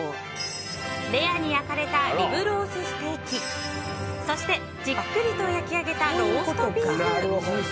レアに焼かれたリブロースステーキそして、じっくりと焼き上げたローストビーフ。